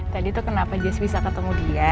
tadi tuh kenapa jess bisa ketemu dia